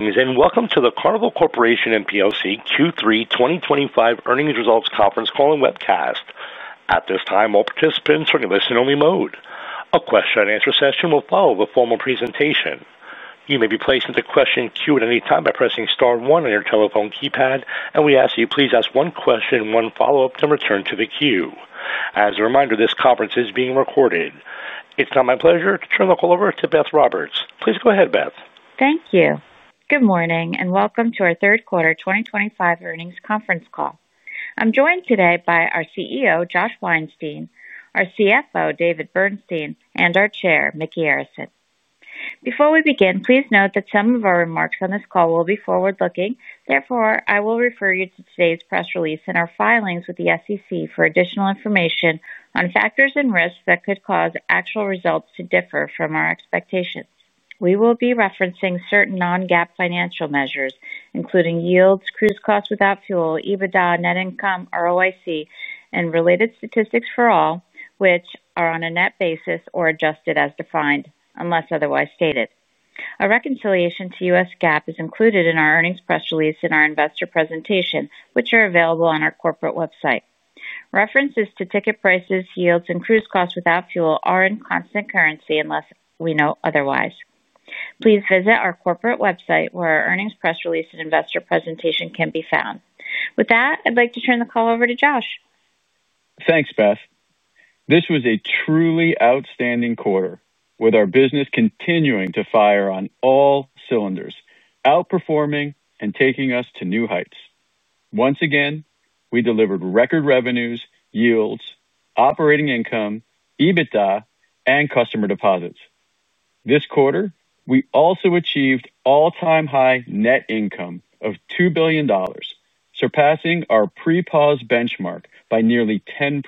Welcome to the Carnival Corporation & plc Q3 2025 Earnings Results Conference Call and webcast. At this time, all participants are in listen-only mode. A question and answer session will follow the formal presentation. You may be placed into the question queue at any time by pressing Star 1 on your telephone keypad, and we ask that you please ask one question, one follow-up. Up to return to the queue. As a reminder, this conference is being recorded. It's now my pleasure to turn the. Call over to Beth Roberts. Please go ahead, Beth. Thank you. Good morning and welcome to our third quarter 2025 earnings conference call. I'm joined today by our CEO Josh Weinstein, our CFO David Bernstein, and our Chair Micky Arison. Before we begin, please note that some of our remarks on this call will be forward looking. Therefore, I will refer you to today's press release and our filings with the SEC for additional information on factors and risks that could cause actual results to differ from our expectations. We will be referencing certain non-GAAP financial measures including yields, cruise costs without fuel, EBITDA, net income, ROIC, and related statistics, all of which are on a net basis or adjusted as defined unless otherwise stated. A reconciliation to U.S. GAAP is included in our earnings press release and our investor presentation, which are available on our corporate website. References to ticket prices, yields, and cruise costs without fuel are in constant currency. Unless we note otherwise, please visit our corporate website where our earnings press release and investor presentation can be found. With that, I'd like to turn the floor over. Call over to Josh. Thanks, Beth. This was a truly outstanding quarter with our business continuing to fire on all cylinders, outperforming and taking us to new heights once again. We delivered record revenues, yields, operating income, EBITDA, and customer deposits. This quarter we also achieved all-time high net income of $2 billion, surpassing our pre-pandemic benchmark by nearly 10%.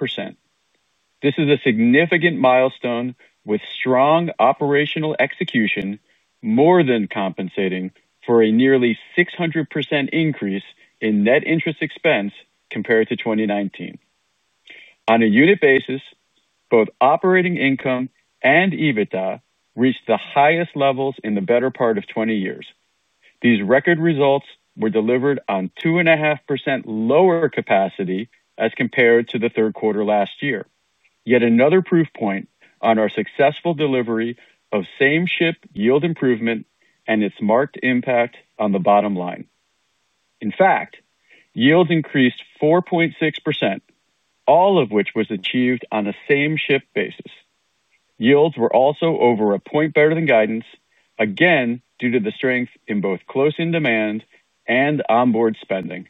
This is a significant milestone with strong operational execution more than compensating for a nearly 600% increase in net interest expense compared to 2019 on a unit basis. Both operating income and EBITDA reached the highest levels in the better part of 20 years. These record results were delivered on 2.5% lower capacity as compared to the third quarter last year, yet another proof point on our successful delivery of same-ship yield improvement and its marked impact on the bottom line. In fact, yields increased 4.6%, all of which was achieved on a same-ship basis. Yields were also over a point better than guidance, again due to the strength in both close-in demand and onboard spending.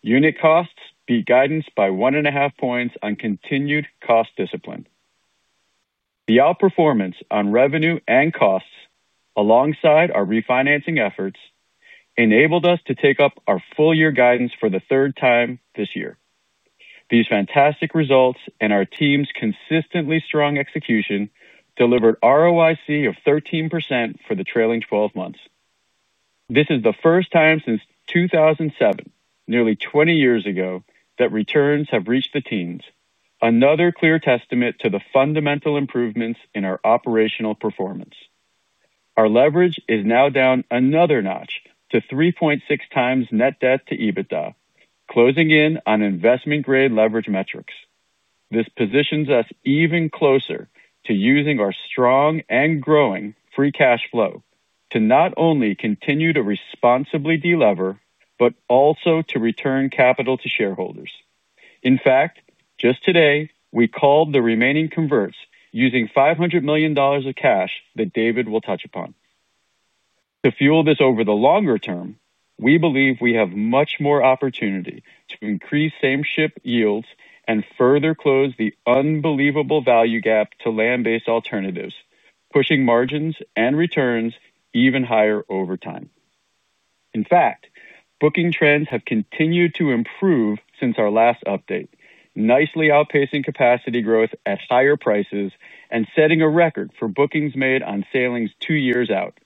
Unit costs beat guidance by 1.5 points on continued cost discipline. The outperformance on revenue and costs alongside our refinancing efforts enabled us to take up our full-year guidance for the third time this year. These fantastic results and our team's consistently strong execution delivered ROIC of 13% for the trailing 12 months. This is the first time since 2007, nearly 20 years ago, that returns have reached the teens, another clear testament to the fundamental improvements in our operational performance. Our leverage is now down another notch to 3.6 times net debt to EBITDA, closing in on investment grade leverage metrics. This positions us even closer to using our strong and growing free cash flow to not only continue to responsibly delever but also to return capital to shareholders. In fact, just today we called the remaining converts and using $500 million of cash that David will touch upon to fuel this over the longer term, we believe we have much more opportunity to increase same-ship yields and further close the unbelievable value gap to land-based alternatives, pushing margins and returns even higher over time. In fact, booking trends have continued to improve since our last update, nicely outpacing capacity growth at higher prices and setting a record for bookings made on sailings. Two years out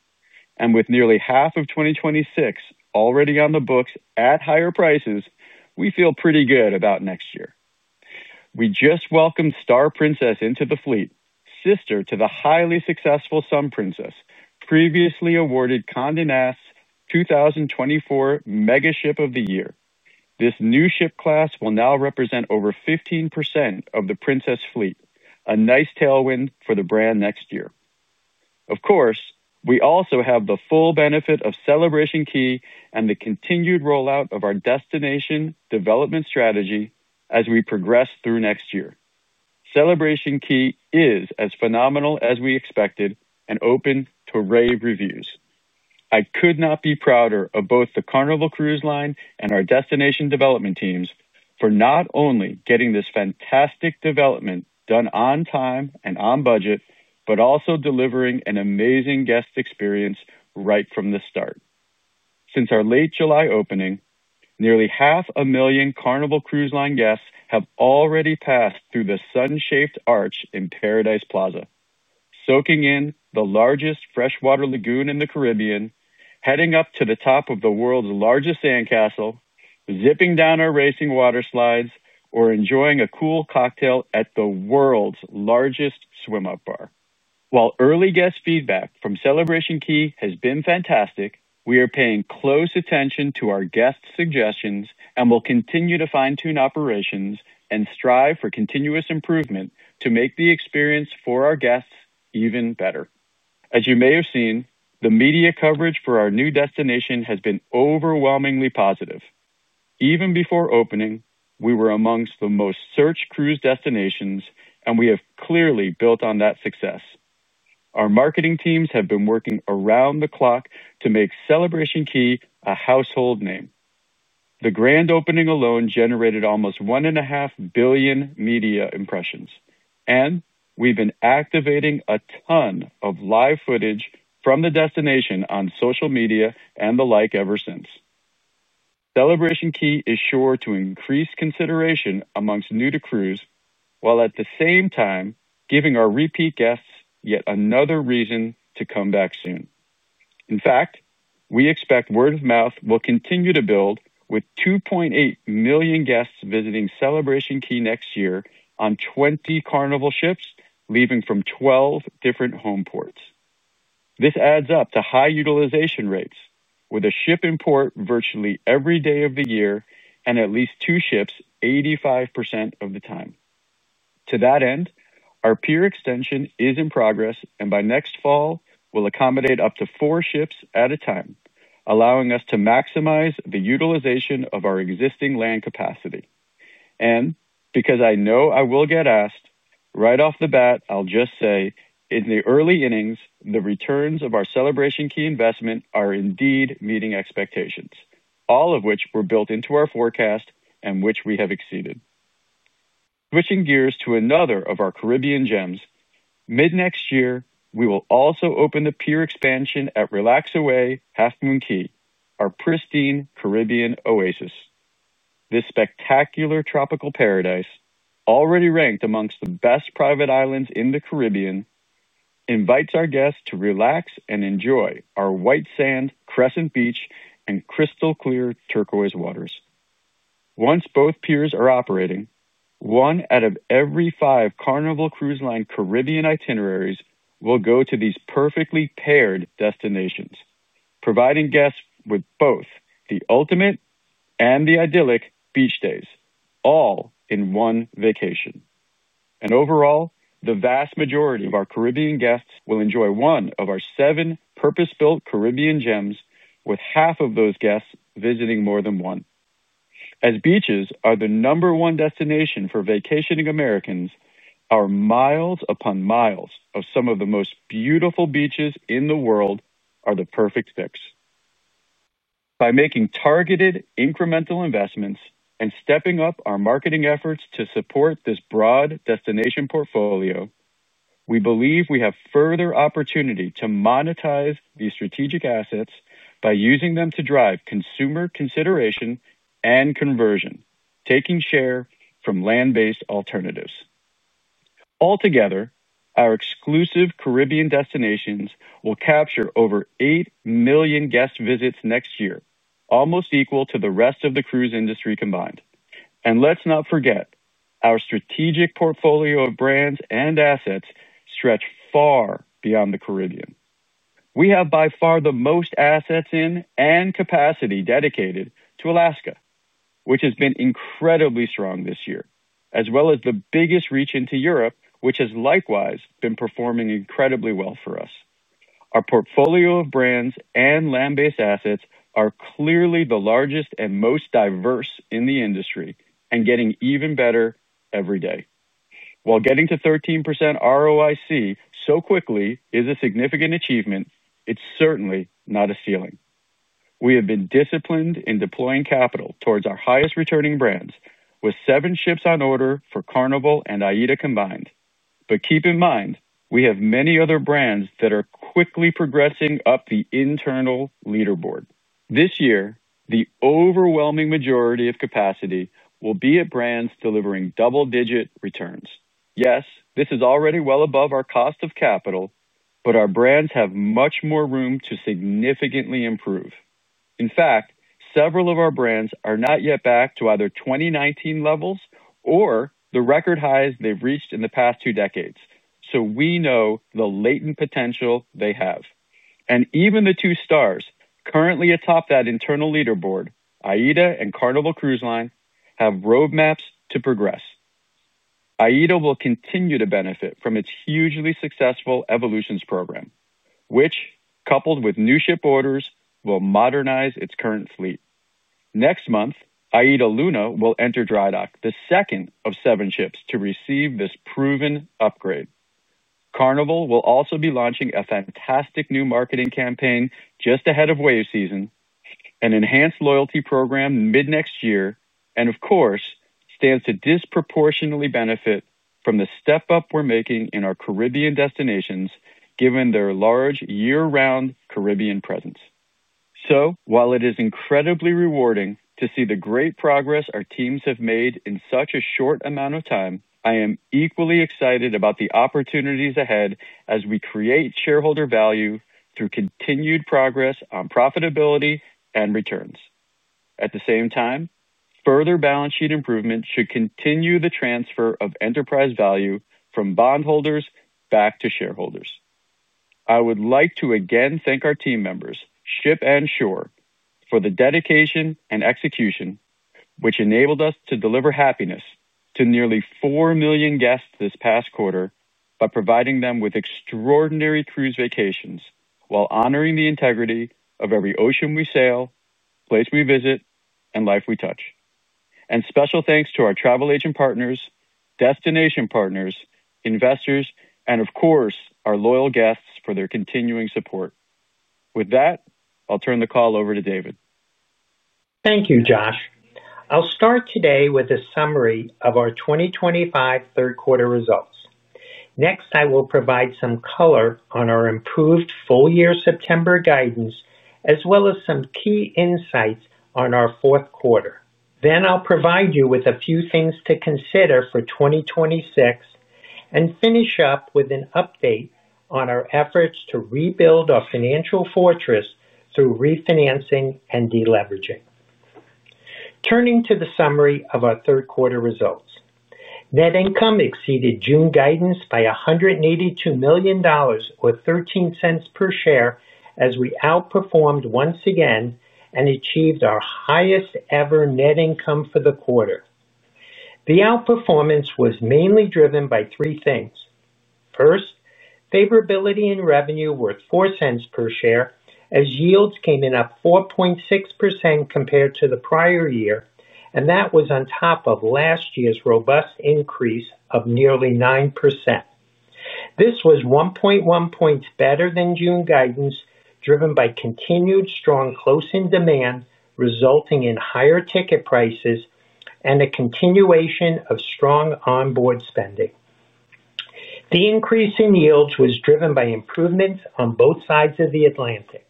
and with nearly half of 2026 already on the books at higher prices, we feel pretty good about next year. We just welcomed Star Princess into the fleet, sister to the highly successful Sun Princess, previously awarded Conde Nast's 2024 Mega Ship of the Year. This new ship class will now represent over 15% of the Princess fleet, a nice tailwind for the brand next year. Of course, we also have the full benefit of Celebration Key and the continued rollout of our destination development strategy as we progress through next year. Celebration Key is as phenomenal as we expected and open to rave reviews. I could not be prouder of both the Carnival Cruise Line and our destination development teams for not only getting this fantastic development done on time and on budget, but also delivering an amazing guest experience right from the start. Since our late July opening, nearly half a million Carnival Cruise Line guests have already passed through the sun-shaped arch in Paradise Plaza, soaking in the largest freshwater lagoon in the Caribbean, heading up to the top of the world's largest sandcastle, zipping down our racing water slides, or enjoying a cool cocktail at the world's largest swim-up bar. While early guest feedback from Celebration Key has been fantastic, we are paying close attention to our guest suggestions and will continue to fine-tune operations and strive for continuous improvement to make the experience for our guests even better. As you may have seen, the media coverage for our new destination has been overwhelmingly positive. Even before opening, we were amongst the most searched cruise destinations and we have clearly built on that success. Our marketing teams have been working around the clock to make Celebration Key a household name. The grand opening alone generated almost $1.5 billion media impressions and we've been activating a ton of live footage from the destination on social media and the like ever since. Celebration Key is sure to increase consideration amongst new to cruise while at the same time giving our repeat guests yet another reason to come back soon. In fact, we expect word of mouth will continue to build with 2.8 million guests visiting Celebration Key next year on 20 Carnival ships leaving from 12 different home ports. This adds up to high utilization rates with a ship in port virtually every day of the year and at least two ships 85% of the time. To that end, our pier extension is in progress and by next fall will accommodate up to four ships at a time, allowing us to maximize the utilization of our existing land capacity. Because I know I will get asked right off the bat, I'll just say in the early innings. The returns of our Celebration Key investment are indeed meeting expectations, all of which were built into our forecast and which we have exceeded. Switching gears to another of our Caribbean gems, mid next year we will also open the pier expansion at Relax Away Half Moon Cay, our pristine Caribbean oasis. This spectacular tropical paradise, already ranked amongst the best private islands in the Caribbean, invites our guests to relax and enjoy our white sand crescent beach and crystal clear turquoise waters. Once both piers are operating, one out of every five Carnival Cruise Line Caribbean itineraries will go to these perfectly paired destinations, providing guests with both the ultimate and the idyllic beach days all in one vacation. Overall, the vast majority of our Caribbean guests will enjoy one of our seven purpose-built Caribbean gems, with half of those guests visiting more than one. As beaches are the number one destination for vacationing Americans, our miles upon miles of some of the most beautiful beaches in the world are the perfect fix. By making targeted incremental investments and stepping up our marketing efforts to support this broad destination portfolio, we believe we have further opportunity to monetize these strategic assets by using them to drive consumer consistency and conversion, taking share from land-based alternatives. Altogether, our exclusive Caribbean destinations will capture over 8 million guest visits next year, almost equal to the rest of the cruise industry combined. Let's not forget our strategic portfolio of brands and assets stretch far beyond the Caribbean. We have by far the most assets in and capacity dedicated to Alaska, which has been incredibly strong this year, as well as the biggest reach into Europe, which has likewise been performing incredibly well for us. Our portfolio of brands and land-based assets are clearly the largest and most diverse in the industry and getting even better every day. While getting to 13% ROIC so quickly is a significant achievement, it's certainly not a ceiling. We have been disciplined in deploying capital towards our highest returning brands with seven ships on order for Carnival and AIDA combined. Keep in mind we have many other brands that are quickly progressing up the internal leaderboard. This year the overwhelming majority of capacity will be at brands delivering double digit returns. Yes, this is already well above our cost of capital, but our brands have much more room to significantly improve. In fact, several of our brands are not yet back to either 2019 levels or the record highs they've reached in the past two decades. We know the latent potential they have. Even the two stars currently atop that internal leaderboard, AIDA and Carnival Cruise Line, have roadmaps to progress. AIDA will continue to benefit from its hugely successful AIDA Evolutions program, which, coupled with new ship orders, will modernize its current fleet. Next month AIDA Luna will enter dry dock, the second of seven ships to receive this proven upgrade. Carnival will also be launching a fantastic new marketing campaign just ahead of wave season, an enhanced loyalty program mid next year, and of course stands to disproportionately benefit from the step up we're making in our Caribbean destinations given their large year round Caribbean presence. While it is incredibly rewarding to see the great progress our teams have made in such a short amount of time, I am equally excited about the opportunities ahead as we create shareholder value through continued progress on profitability and returns. At the same time, further balance sheet improvement should continue. The transfer of enterprise value from bondholders back to shareholders. I would like to again thank our team members ship and shore for the dedication and execution which enabled us to deliver happiness to nearly 4 million guests this past quarter by providing them with extraordinary cruise vacations while honoring the integrity of every ocean we sail, place we visit, and life we touch. Special thanks to our travel agent partners, destination partners, investors, and of course our loyal guests for their continuing support. With that, I'll turn the call over to David. Thank you, Josh. I'll start today with a summary of our 2025 third quarter results. Next, I will provide some color on our improved full year September guidance as well as some key insights on our fourth quarter. I will then provide you with a few things to consider for 2026 and finish up with an update on our efforts to rebuild our financial fortress through refinancing and deleveraging. Turning to the summary of our third quarter results, net income exceeded June guidance by $182 million or $0.13 per share as we outperformed once again and achieved our highest ever net income for the quarter. The outperformance was mainly driven by three things. First, favorability in revenue worth $0.04 per share as yields came in up 4.6% compared to the prior year, and that was on top of last year's robust increase of nearly 9%. This was 1.1 points better than June guidance, driven by continued strong close-in demand resulting in higher ticket prices and a continuation of strong onboard spending. The increase in yields was driven by improvements on both sides of the Atlantic.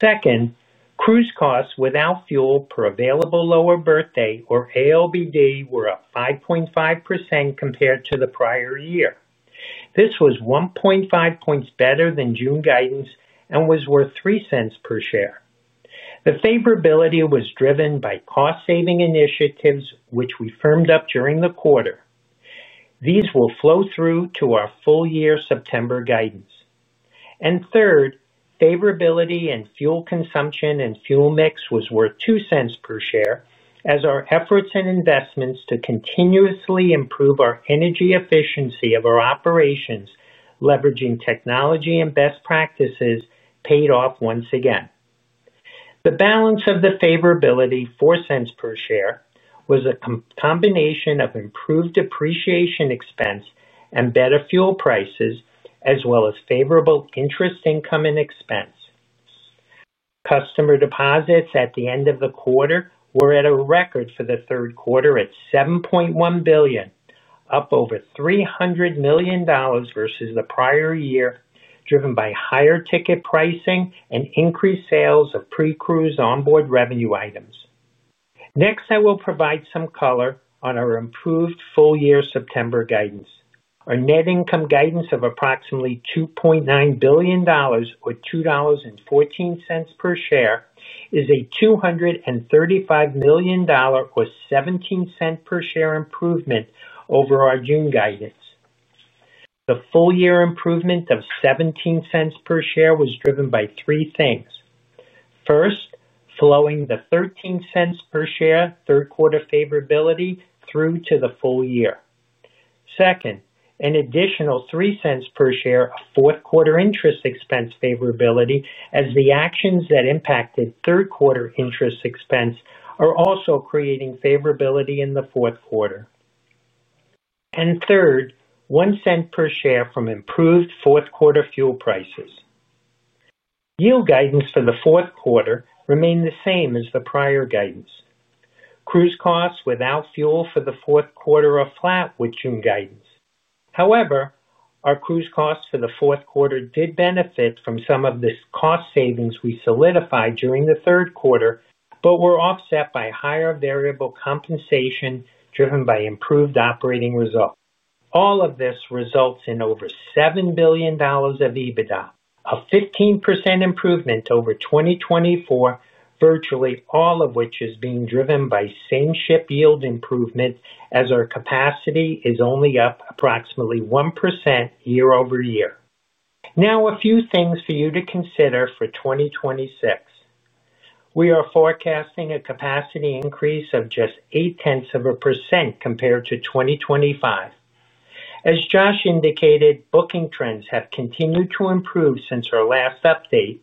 Second, cruise costs without fuel per available lower berth day, or ALBD, were up 5.5% compared to the prior year. This was 1.5 points better than June guidance and was worth $0.03 per share. The favorability was driven by cost saving initiatives which we firmed up during the quarter. These will flow through to our full year September guidance. Third, favorability in fuel consumption and fuel mix was worth $0.02 per share as our efforts and investments to continuously improve our energy efficiency of our operations, leveraging technology and best practices, paid off once again. The balance of the favorability, $0.04 per share, was a combination of improved depreciation expense and better fuel prices as well as favorable interest income and expense. Customer deposits at the end of the quarter were at a record for the third quarter at $7.1 billion, up over $300 million versus the prior year, driven by higher ticket pricing and increased sales of pre-cruise onboard revenue items. Next, I will provide some color on our improved full year September guidance. Our net income guidance of approximately $2.9 billion or $2.14 per share is a $235 million or $0.17 per share improvement over our June guidance. The full year improvement of $0.17 per share was driven by three things. First, flowing the $0.13 per share third quarter favorability through to the full year. Second, an additional $0.03 per share fourth quarter interest expense favorability as the actions that impacted third quarter interest expense are also creating favorability in the fourth quarter, and third, $0.01 per share from improved fourth quarter fuel prices. Yield guidance for the fourth quarter remained the same as the prior guidance. Cruise costs without fuel for the fourth quarter are flat with June guidance. However, our cruise costs for the fourth quarter did benefit from some of this cost savings we solidified during the third quarter but were offset by higher variable compensation driven by improved operating results. All of this results in over $7 billion of EBITDA, a 15% improvement over 2024, virtually all of which is being driven by same-ship yield improvement as our capacity is only up approximately 1% year over year. Now a few things for you to consider. For 2026, we are forecasting a capacity increase of just 0.8% compared to 2025. As Josh indicated, booking trends have continued to improve since our last update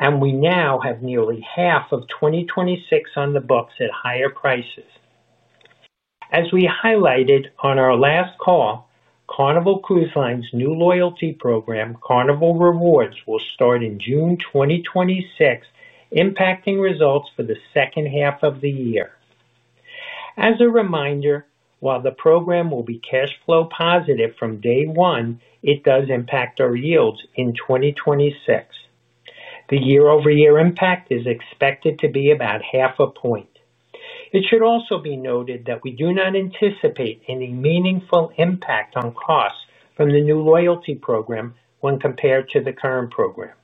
and we now have nearly half of 2026 on the books at higher prices. As we highlighted on our last call, Carnival Rewards, Carnival Cruise Line's new loyalty program, will start in June 2026, impacting results for the second half of the year. As a reminder, while the program will be cash flow positive from day one, it does impact our yields in 2026. The year over year impact is expected to be about half a point. It should also be noted that we do not anticipate any meaningful impact on costs from the new loyalty program when compared to the current program.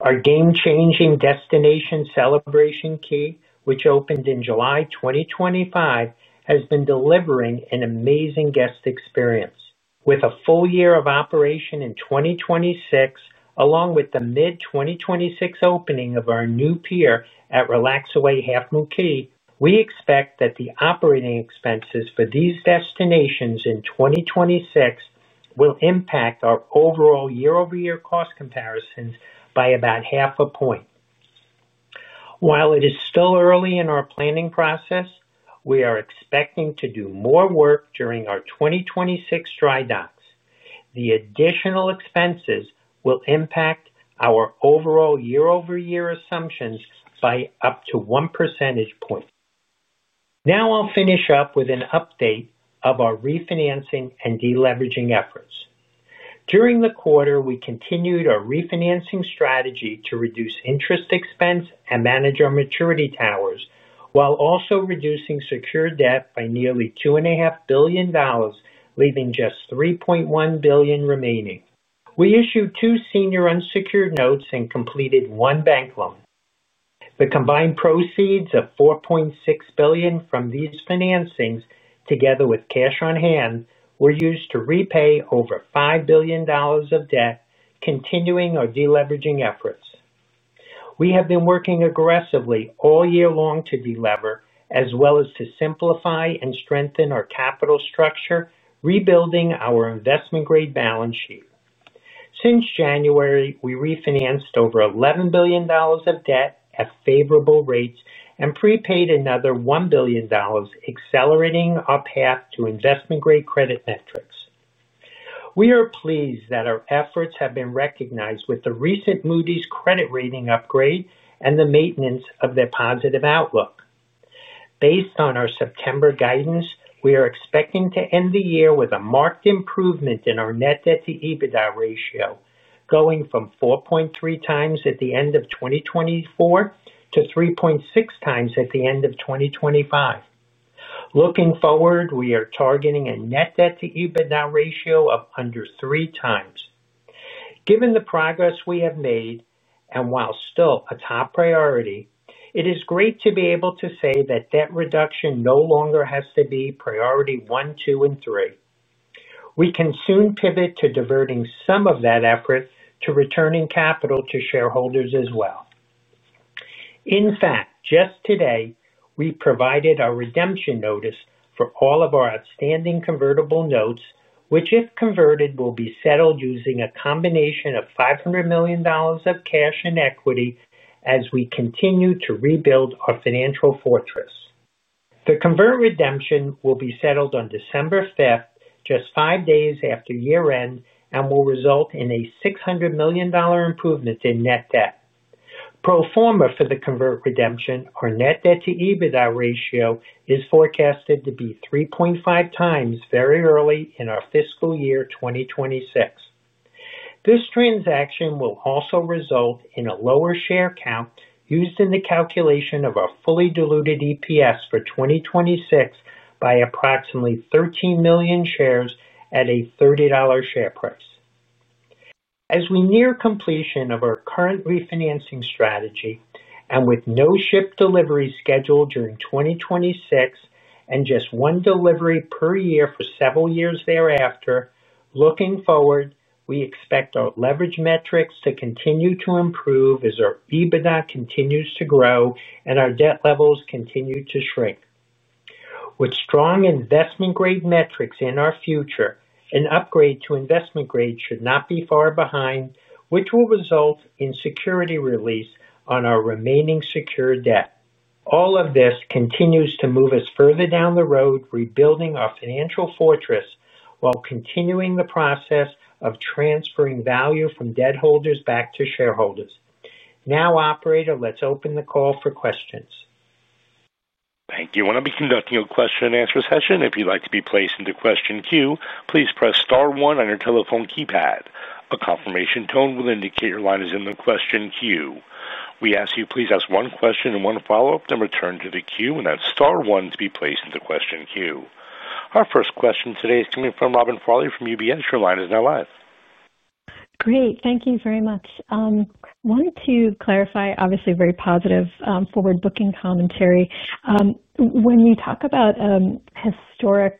Our game changing destination Celebration Key, which opened in July 2025, has been delivering an amazing guest experience with a full year of operation in 2026 along with the mid-2026 opening of our new pier at Relax Away Half Moon Cay. We expect that the operating expenses for these destinations in 2026 will impact our overall year over year cost comparisons by about half a point. While it is still early in our planning process, we are expecting to do more work during our 2026 dry docks. The additional expenses will impact our overall year over year assumptions by up to 1 percentage point. Now I'll finish up with an update of our refinancing and deleveraging efforts. During the quarter we continued our refinancing strategy to reduce interest expense and manage our maturity towers while also reducing secured debt by nearly $2.5 billion, leaving just $3.1 billion remaining. We issued two senior unsecured notes and completed one bank loan. The combined proceeds of $4.6 billion from these financings, together with cash on hand, were used to repay over $5 billion of debt. Continuing our deleveraging efforts, we have been working aggressively all year long to delever as well as to simplify and strengthen our capital structure, rebuilding our investment grade balance sheet. Since January, we refinanced over $11 billion of debt at favorable rates and prepaid another $1 billion, accelerating our path to investment grade. We are pleased that our efforts have been recognized with the recent Moody's credit rating upgrade and the maintenance of their positive outlook. Based on our September guidance, we are expecting to end the year with a marked improvement in our net debt to EBITDA ratio, going from 4.3 times at the end of 2024 to 3.6 times at the end of 2025. Looking forward, we are targeting a net debt to EBITDA ratio of under three times. Given the progress we have made and while still a top priority, it is great to be able to say that debt reduction no longer has to be priority 1, 2, and 3. We can soon pivot to diverting some of that effort to returning capital to shareholders as well. In fact, just today we provided a redemption notice for all of our outstanding convertible notes, which if converted, will be settled using a combination of $500 million of cash and equity as we continue to rebuild our financial fortress. The convert redemption will be settled on December 5, just five days after year end, and will result in a $600 million improvement in net debt pro forma for the convert redemption. Our net debt to EBITDA ratio is forecasted to be 3.5 times very early in our fiscal year 2026. This transaction will also result in a lower share count used in the calculation of a fully diluted EPS for 2026 by approximately 13 million shares at a $30 share price. As we near completion of our current refinancing strategy and with no ship deliveries scheduled during 2026 and just one delivery per year for several years thereafter, looking forward, we expect our leverage metrics to continue to improve as our EBITDA continues to grow and our debt levels continue to shrink. With strong investment grade metrics in our future, an upgrade to investment grade should not be far behind, which will result in security release on our remaining secured debt. All of this continues to move us further down the road, rebuilding our financial fortress while continuing the process of transferring value from debt holders back to shareholders now. Operator, let's open the call for questions. Thank you. I want to be conducting a question and answer session. If you'd like to be placed into the question queue, please press star 1 on your telephone keypad. A confirmation tone will indicate your line is in the question queue. We ask you please ask one question and one follow-up, then return to the queue and hit star 1 to be placed into the question queue. Our first question today is coming from Robin Farley from UBS. Your line is now live. Great. Thank you very much. Wanted to clarify, obviously very positive forward booking commentary. When you talk about historic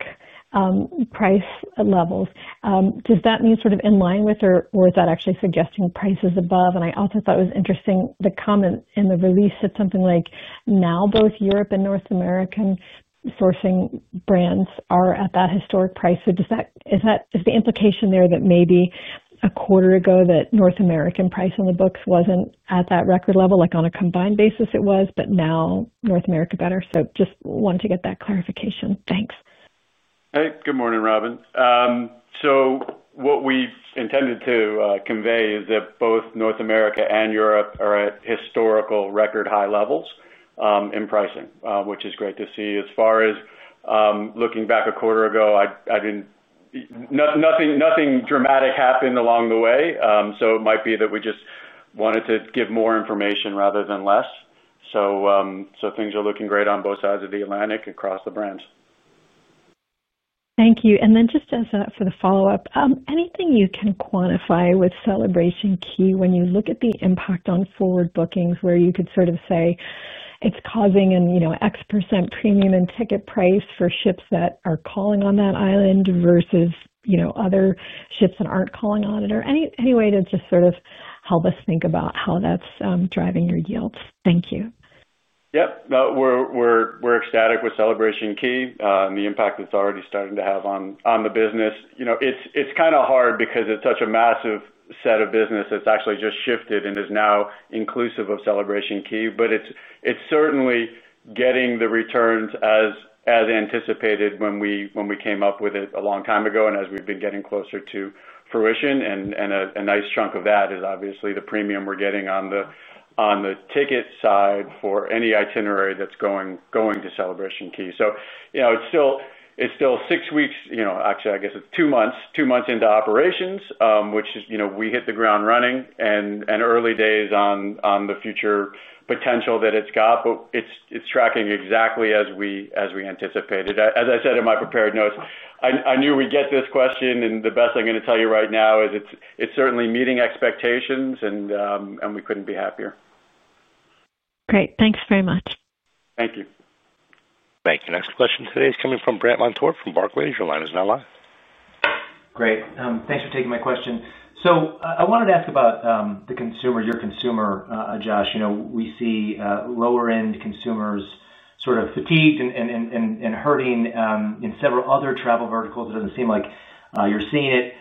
price levels, does that mean sort of in line with, or is that actually suggesting prices above? I also thought it was interesting, the comment in the release said something like, now both Europe and North American sourcing brands are at that historic price. Is the implication there that maybe a quarter ago that North American price on the books wasn't at that record level? Like on a combined basis it was, but now North America better. Just wanted to get that clarification. Thanks. Hey, good morning, Robin. What we intended to convey is that both North America and Europe are at historical record high levels in pricing, which is great to see. As far as looking back a quarter ago, I didn't. Nothing dramatic happened along the way. It might be that we just wanted to give more information rather than less. Things are looking great on both sides of the Atlantic across the branch. Thank you. Just as for the follow up, anything you can quantify with Celebration Key, when you look at the impact on forward bookings, where you could sort of say it's causing an, you know, X% premium in ticket price for ships that are calling on that island versus other ships that aren't calling on it, or any way to just sort of help us think about how that's driving your yields. Thank you. Yep. We're ecstatic with Celebration Key and the impact it's already starting to have on the business. You know, it's kind of hard because it's such a massive set of business. It's actually just shifted and is now inclusive of Celebration Key. It's certainly getting the returns as anticipated when we came up with it a long time ago. As we've been getting closer to fruition, a nice chunk of that is obviously the premium we're getting on the ticket side for any itinerary that's going to Celebration Key. It's still six weeks, actually I guess it's two months, two months into operations, which is, you know, we hit the ground running and early days on the future potential that it's got. It's tracking exactly as we anticipated. As I said in my prepared notes, I knew we'd get this question and the best I'm going to tell you right now is it's certainly meeting expectations and we couldn't be happier. Great. Thanks very much. Thank you. Thank you. Next question today is coming from Brandt Montour from Barclays. Your line is now live. Great. Thanks for taking my question. I wanted to ask about the. Consumer, your consumer, Josh. You know, we see lower end consumers sort of fatigued and hurting in several other travel verticals. It doesn't seem like you're seeing it.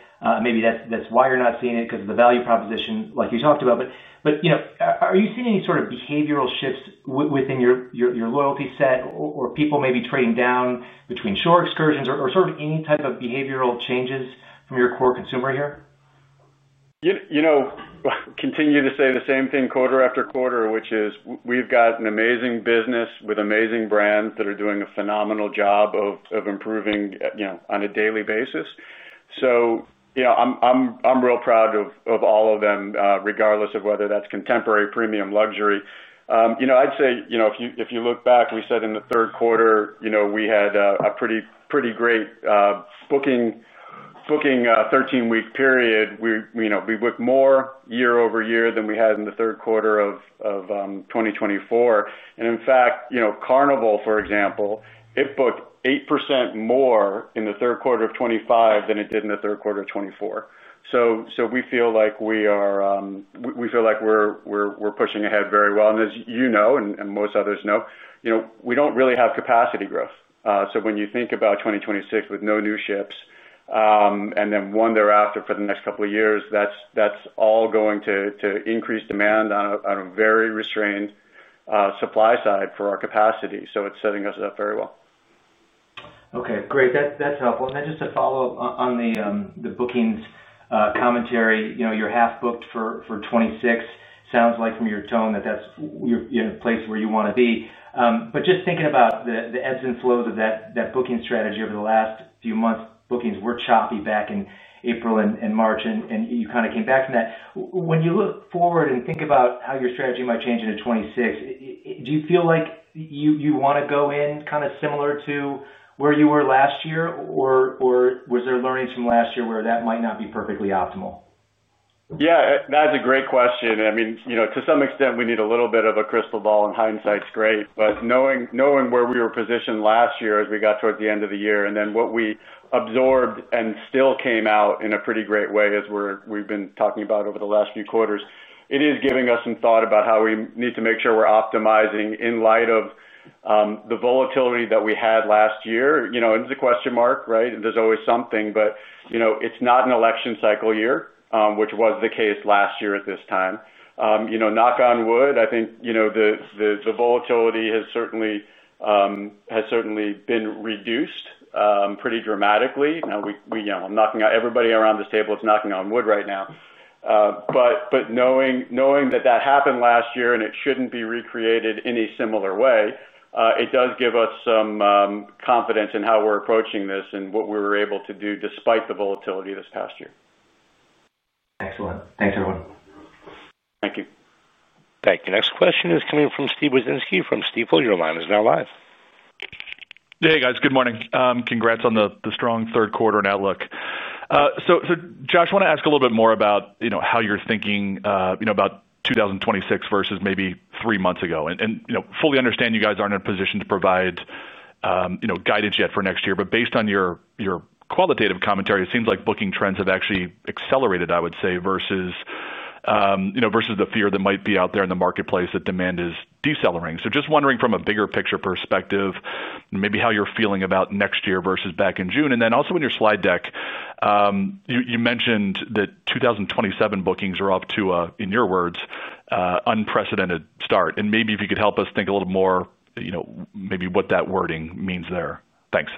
Maybe that's why you're not seeing it, because of the value proposition like you talked about. Are you seeing any sort of behavioral shifts within your loyalty set or people? May be trading down between shore excursions or sort of any type of. Behavioral changes from your core consumer here? You say the same thing quarter after quarter, which is we've got an amazing business with amazing brands that are doing a phenomenal job of improving on a daily basis. I'm real proud of all of them, regardless of whether that's contemporary, premium, or luxury. I'd say, if you look back, we said in the third quarter we had a pretty great booking 13-week period. We booked more year over year than we had in the third quarter of 2024. In fact, Carnival, for example, booked 8% more in 3Q25 than it did in 3Q24. We feel like we're pushing ahead very well, and as you know and most others know, we don't really have capacity growth. When you think about 2026 with no new ships and then one thereafter for the next couple of years, that's all going to increase demand on a very restrained supply side for our capacity. It's setting us up very well. Okay, great, that's helpful. Just to follow up on. The bookings commentary, you know, you're half booked for 2026, sounds like from your tone that that's a place where you want to be. Just thinking about the ebbs and. Flows of that booking strategy over the last few months. Bookings were choppy back in April. March and you kind of came back from that. When you look forward and think about how your strategy might change in 2026, do you feel like you want to go in kind of similar to where you were last year, or was there learnings from last year? Where that might not be perfectly optimal? Yeah, that's a great question. I mean, to some extent we need a little bit of a crystal ball, and hindsight's great, but knowing where we were positioned last year as we got towards the end of the year and then what we absorbed and still came out in a pretty great way as we've been talking about over the last few quarters, it is giving us some thought about making sure we're optimizing in light of the volatility that we had last year. There's always something, but it's not an election cycle year, which was the case last year at this time, knock on wood. I think the volatility has certainly been reduced pretty dramatically now. I'm knocking out everybody around this table. It's knocking on wood right now. Knowing that that happened last year and it shouldn't be recreated in a similar way, it does give us some confidence in how we're approaching this and what we were able to do despite the volatility this past year. Excellent. Thanks, everyone. Thank you. Thank you. Next question is coming from Steve Wieczynski. From Stifel, your line is now live. Hey guys, good morning. Congrats on the strong third quarter and outlook. Josh, want to ask a little bit more about how you're thinking about 2026 versus maybe three months ago. I fully understand you guys aren't in a position to provide guidance yet for next year, but based on your qualitative commentary, it seems like booking trends have actually accelerated, I would say, versus the fear that might be out there in the marketplace that demand is decelerating. Just wondering from a bigger picture perspective, maybe how you're feeling about next year versus back in June. Also, in your slide deck, you mentioned that 2027 bookings are off to, in your words, unprecedented start. Maybe if you could help us think a little more, maybe what that wording means there. Thanks.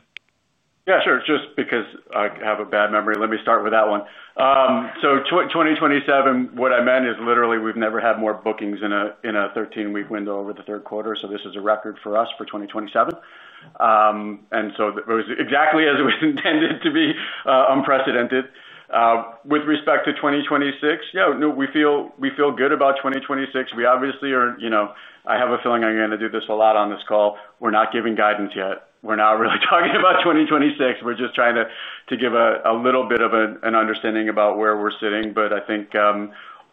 Yeah, sure. Just because I have a bad memory, let me start with that one. For 2027, what I meant is literally we've never had more bookings in a 13-week window over the third quarter. This is a record for us for 2027, and it was exactly as it was intended to be, unprecedented. With respect to 2026, we feel good about 2026. We obviously are not giving guidance yet. We're not really talking about 2026. We're just trying to give a little bit of an understanding about where we're sitting. I think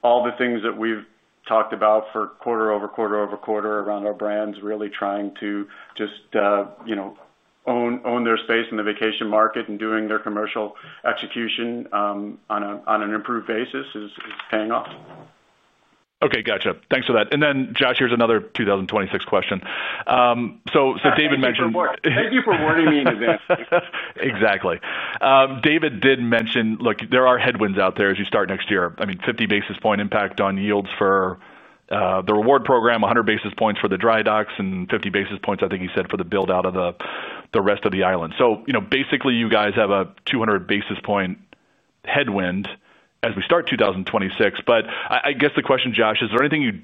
all the things that we've talked about for quarter over quarter around our brands really trying to just own their space in the vacation market and doing their commercial execution on an improved basis is paying off. Okay, gotcha. Thanks for that. Josh, here's another 2026 question. Thank you for warning me in his answer. Exactly. David did mention, look, there are headwinds out there as you start next year. 50 basis point impact on yields for the Carnival Rewards program, 100 basis points for the dry docks, and 50 basis points, I think he said, for the build out of the rest of the island. You know, basically you guys have a 200 basis point headwind as we start 2026. I guess the question, Josh, is. there anything you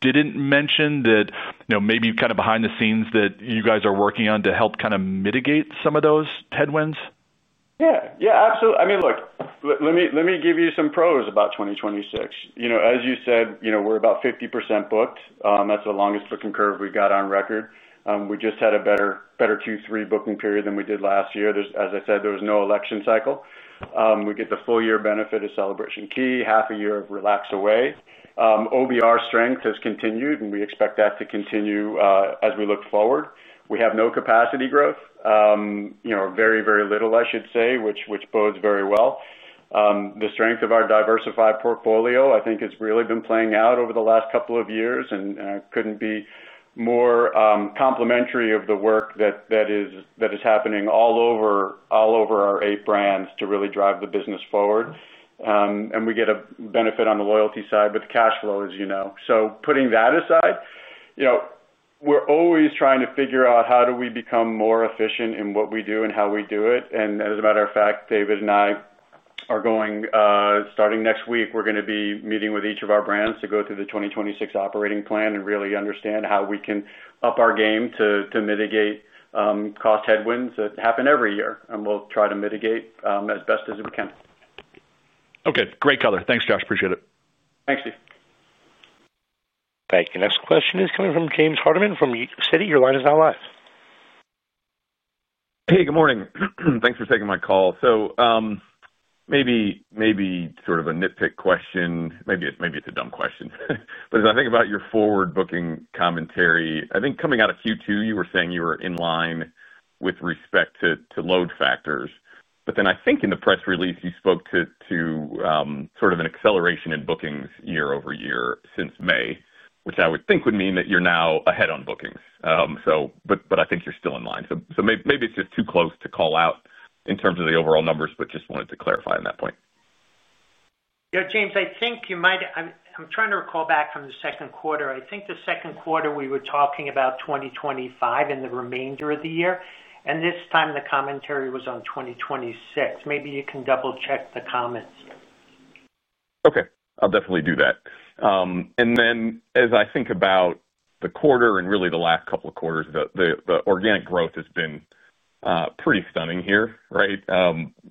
didn't mention that you would like to add? Maybe kind of behind the scenes that you guys are working on too. Help kind of mitigate some of those headwinds? Yeah, absolutely. I mean, look, let me give you some pros about 2026. As you said, we're about 50% booked. That's the longest booking curve we've got on record. We just had a better Q3 booking period than we did last year. As I said, there was no election cycle. We get the full year benefit of Celebration Key, half a year of Relax Away Half Moon Cay. OBR strength has continued and we expect that to continue as we look forward. We have no capacity growth, very, very little, I should say, which bodes very well. The strength of our diversified portfolio I think has really been playing out over the last couple of years. I couldn't be more complementary of the work that is happening all over our eight brands to really drive the business forward. We get a benefit on the loyalty side with cash flow, as you know. Putting that aside, we're always trying to figure out how do we become more efficient in what we do and how we do it. As a matter of fact, David and I are going, starting next week, to be meeting with each of our brands to go through the 2026 operating plan and really understand how we can up our game to mitigate cost headwinds that happen every year and we'll try to mitigate as best as we can. Okay, great color. Thanks, Josh. Appreciate it. Thanks, Steve. Thank you. Next question is coming from James Hardiman from Citi. Your line is now live. Hey, good morning. Thanks for taking my call. Maybe it's sort of a nitpick question, maybe it's a dumb question, but as I think about your forward booking commentary, I think coming out of Q2, you were saying you were in line with respect to load factors. I think in the press release, you spoke to sort of an acceleration in bookings year over year since May, which I would think would mean that you're now ahead on bookings, but I think you're still in line. Maybe it's just too close to call out in terms of the overall numbers. I just wanted to clarify on that point, James. I think you might, I'm trying to recall back from the second quarter. I think the second quarter we were talking about 2025 and the remainder of the year, and this time commentary was on 2026. Maybe you can double check the comments. Okay, I'll definitely do that. As I think about the quarter and really the last couple of quarters, the organic growth has been pretty stunning here. Right.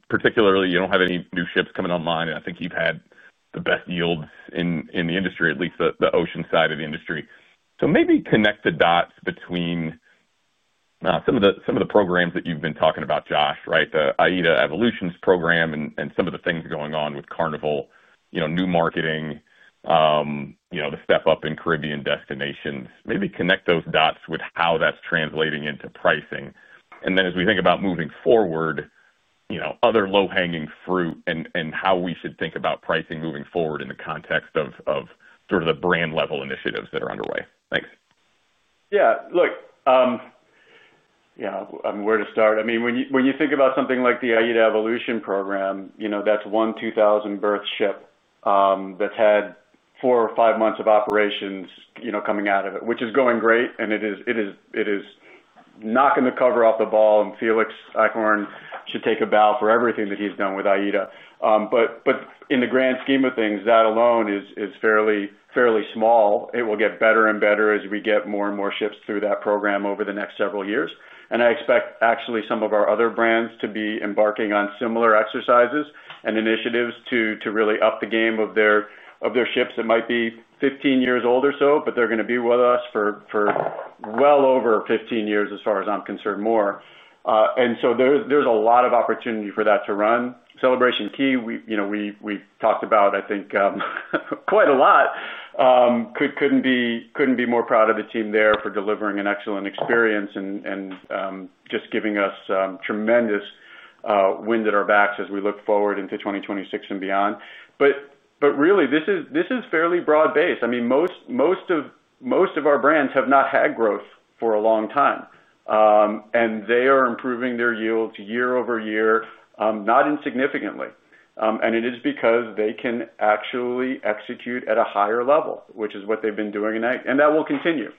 Particularly you don't have any new ships coming online and I think you've had the best yields in the industry, at least the ocean side of the industry. Maybe connect the dots between now some of the programs that you've been talking about, Josh. Right. The AIDA Evolutions program and some of the things going on with Carnival, new marketing, the step up in Caribbean destinations, maybe connect those dots with how that's translating into pricing, and then as we think about moving forward, other low hanging fruit and how we should think about pricing moving forward in the context of sort of the brand level initiatives that are underway. Thanks. Yeah, look, yeah. Where to start, I mean, when you think about something like the AIDA Evolutions program, you know, that's one 2,000 berth ship that's had four or five months of operations, you know, coming out of it, which is going great and it is knocking the COVID off the ball and Felix Acorn should take a bow for everything that he's done with AIDA. In the grand scheme of things, that alone is fairly small. It will get better and better as we get more and more ships through that program over the next several years. I expect actually some of our other brands to be embarking on similar exercises and initiatives to really up the game of their ships that might be 15 years old or so, but they're going to be with us for well over 15 years as far as I'm concerned, more. There's a lot of opportunity for that to run. Celebration Key, you know, we talked about, I think, quite a lot. Couldn't be more proud of the team there for delivering an excellent experience and just giving us tremendous wind at our backs as we look forward into 2026 and beyond. This is fairly broad based. Most of our brands have not had growth for a long time and they are improving their yields year over year, not insignificantly. It is because they can actually execute at a higher level, which is what they've been doing. That will continue.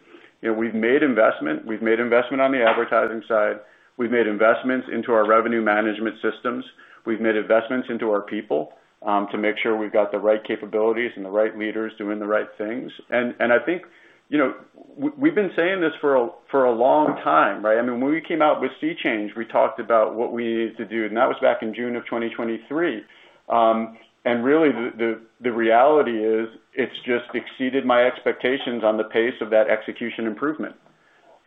We've made investment on the advertising side. We've made investments into our revenue management systems. We've made investments into our people to make sure we've got the right capabilities and the right leaders doing the right things. I think we've been saying this for a long time. When we came out with Sea Change, we talked about what we needed to do and that was back in June of 2020. The reality is it's just exceeded my expectations on the pace of that execution improvement.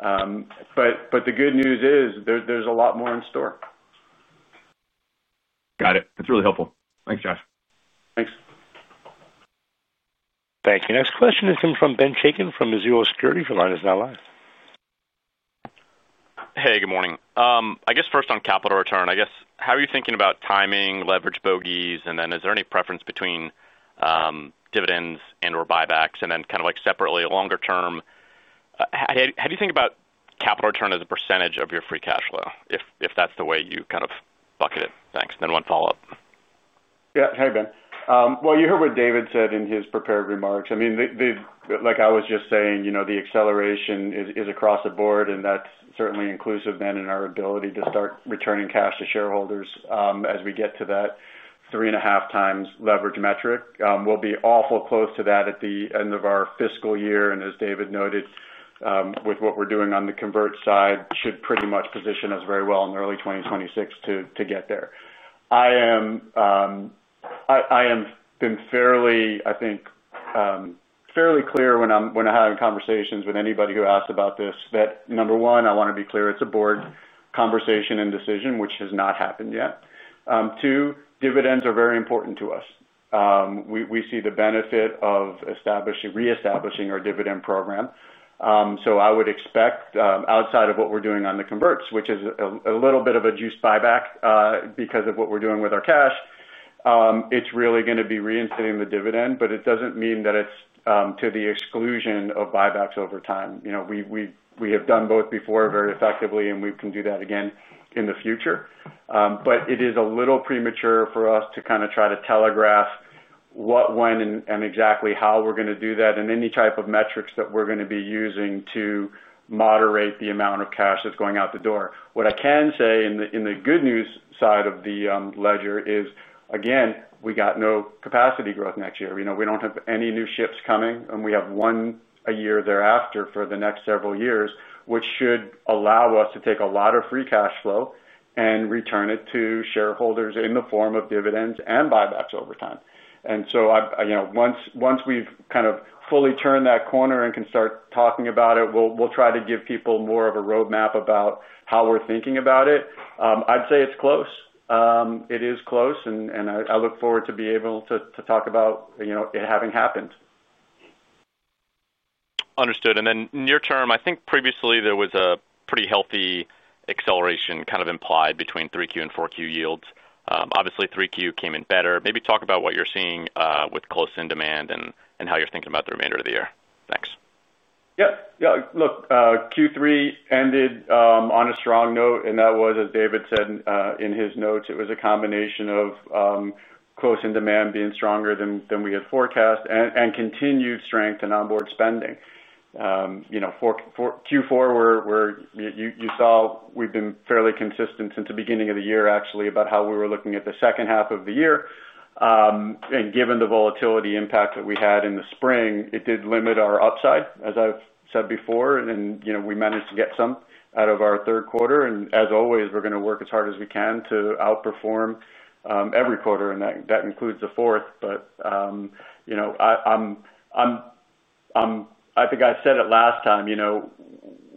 The good news is there's a lot more in store. Got it. That's really helpful. Thanks, Josh. Thank you. Next question is from Ben Chaiken from Mizuho Securities. Your line is now live. Hey, good morning. First on capital return, how are you thinking about timing, leverage, bogeys, and is there any preference between dividends or buybacks, and then kind of like separately, longer term. How do you think about capital return? As a percentage of your free cash flow? If that's the way you kind of bucket it. Thanks. One follow up. Yeah. Hey, Ben. You heard what David said in his prepared remarks. I mean, like I was just saying, the acceleration is across the board and that's certainly inclusive then in our ability to start returning cash to shareholders as we get to that 3.5 times leverage metric. We'll be awful close to that at the end of our fiscal year. As David noted, with what we're doing on the convert side, it should pretty much position us very well in early 2026 to get there. I have been fairly, I think fairly clear when I have conversations with anybody who asks about this, that number one, I want to be clear. It's a board conversation and decision which has not happened yet. Two, dividends are very important to us. We see the benefit of establishing, reestablishing our dividend program. I would expect outside of what we're doing on the converts, which is a little bit of a juice buyback because of what we're doing with our cash, it's really going to be reinstating the dividend. It doesn't mean that it's to the exclusion of buybacks over time. We have done both before very effectively and we can do that again in the future. It is a little premature for us to try to telegraph what, when, and exactly how we're going to do that and any type of metrics that we're going to be using to moderate the amount of cash that's going out the door. What I can say in the good news side of the ledger is, again, we got no capacity growth next year. We don't have any new ships coming and we have one a year thereafter for the next several years, which should allow us to take a lot of free cash flow and return it to shareholders in the form of dividends and buybacks over time. Once we've fully turned that corner and can start talking about it, we'll try to give people more of a roadmap about how we're thinking about it. I'd say it's close. It is close. I look forward to be able to talk about it having happened. Understood. Near term, I think previously there was a pretty healthy acceleration kind of implied between 3Q and 4Q yields. Obviously, 3Q came in better. Maybe talk about what you're seeing with close in demand and how you're thinking about the remainder of the year. Thanks. Yeah, look, Q3 ended on a strong note, and that was, as David said in his notes, it was a combination of close-in demand being stronger than we had forecast, and continued strength in onboard spending. Q4, you saw, we've been fairly consistent since the beginning of the year, actually, about how we were looking at the second half of the year. Given the volatility impact that we had in the spring, it did limit our upside, as I've said before, and we managed to get some out of our third quarter. As always, we're going to work as hard as we can to outperform every quarter, and that includes the fourth. I think I said it last time, you know,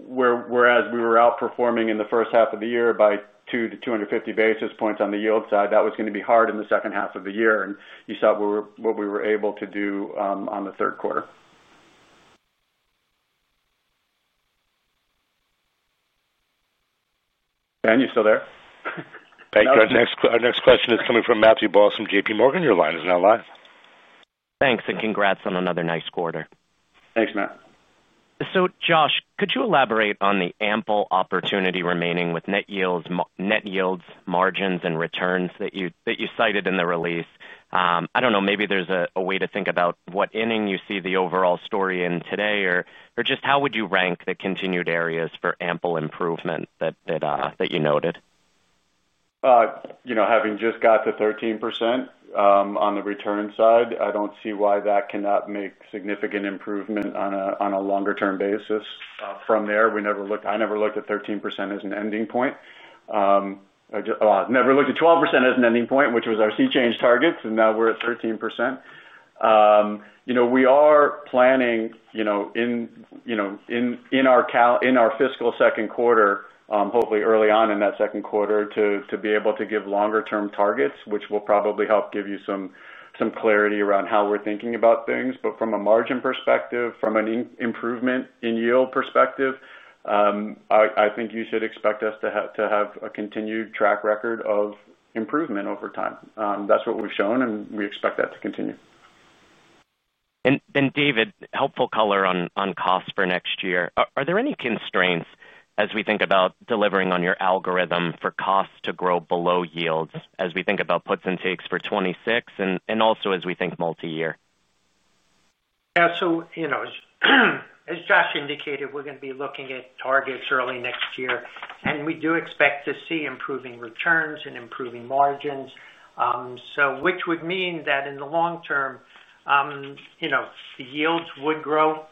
whereas we were outperforming in the first half of the year by 2 to 250 basis points on the yield side. That was going to be hard in the second half of the year, and you saw what we were able to do on the third quarter. Ben, you still there? Thank you. Our next question is coming from Matthew Boss from JPMorgan. Your line is now live. Thanks. Congrats on another nice quarter. Thanks, Matt. Josh, could you elaborate on the ample opportunity remaining with net yields, margins, and returns that you cited in the release? I don't know, maybe there's a way to think about what inning you see the overall story in today, or just how would you rank the continued areas. For ample improvement that you noted. You know, having just got to 13% on the return side, I don't see why that cannot make significant improvement on a longer term basis from there. I never looked at 13% as an ending point, never looked at 12% as an ending point, which was our sea change targets, and now we're at 13%. We are planning in our fiscal second quarter, hopefully early on in that second quarter, to be able to give longer term targets, which will probably help give you some clarity around how we're thinking about things. From a margin perspective, from an improvement in yield perspective, I think you should expect us to have a continued track record of improvement over time. That's what we've shown and we expect that to continue. David, helpful color on costs for next year. Are there any constraints as we think. About delivering on your algorithm for costs. To grow below yields, as we think. About puts and takes for 2026 and. Also, as we think multi year? As Josh indicated, we're going to be looking at targets early next year and we do expect to see improving returns and improving margins. That would mean that in the long term, the yields would grow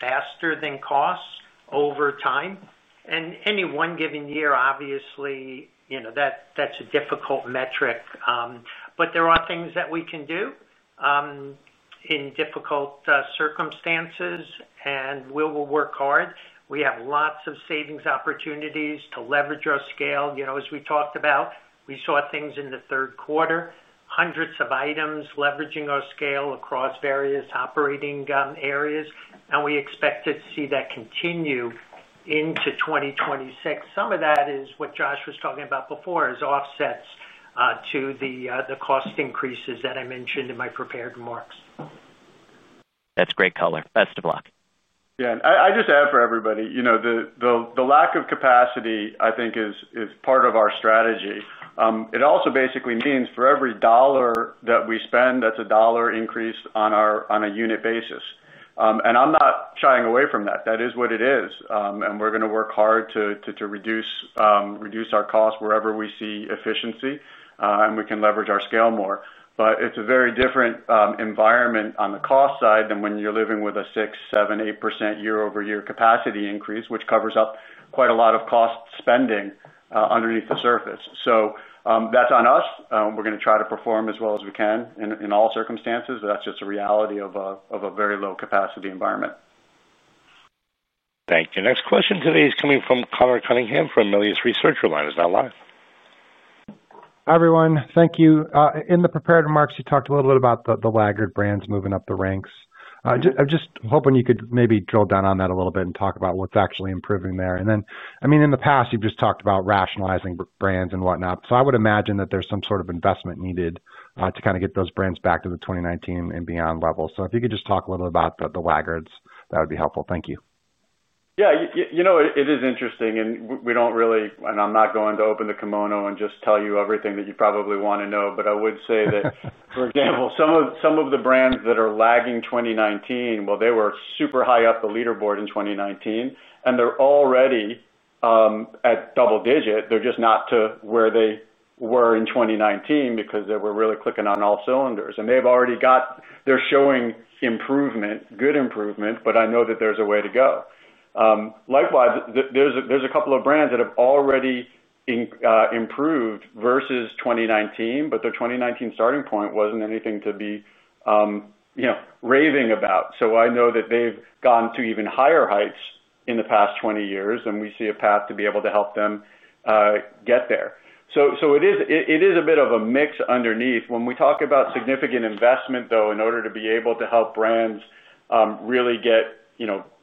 faster than costs over time and any one given year, obviously, that's a difficult metric, but there are things that we can do in difficult circumstances and we will work hard. We have lots of savings opportunities to leverage our scale. As we talked about, we saw things in the third quarter, hundreds of items leveraging our scale across various operating areas and we expect to see that continue into 2026. Some of that is what Josh was talking about before as offsets to the cost increases that I mentioned in my prepared remarks. That's great color. Best of luck. I just add for everybody, the lack of capacity I think is part of our strategy. It also basically means for every dollar that we spend, that's a dollar increase on a unit basis. I'm not shying away from that. That is what it is. We're going to work hard to reduce our costs wherever we see efficiency and we can leverage our scale more. It's a very different environment on the cost side than when you're living with a 6%, 7%, 8% year over year capacity increase, which covers up quite a lot of cost spending underneath the surface. That's on us. We're going to try to perform as well as we can in all circumstances. That's just a reality of a very low capacity environment. Thank you. Next question today is coming from Conor Cunningham from Melius Research. Your line is now live. Hi, everyone. Thank you. In the prepared remarks, you talked a little bit about the laggard brands moving up the ranks. I'm just hoping you could maybe drill down on that a little bit and talk about what's actually improving there. In the past you've just talked about rationalizing brands and whatnot. I would imagine that there's some sort of investment needed to kind of get those brands back to the 2019 and beyond level. If you could just talk a little about the laggards, that would be helpful. Thank you. Yeah, you know, it is interesting and I'm not going to open the kimono and just tell you everything that you probably want to know, but I would say that, for example, some of the brands that are lagging 2019, well, they were super high up the leaderboard in 2019 and they're already at double digit. They're just not to where they were in 2019 because they were really clicking on all cylinders and they've already got, they're showing improvement, good improvement. I know that there's a way to go. Likewise, there's a couple of brands that have already improved versus 2019, but the 2019 starting point wasn't anything to be raving about. I know that they've gone to even higher heights in the past 20 years and we see a path to be able to help them get there. It is a bit of a mix underneath. When we talk about significant investment though, in order to be able to help brands really get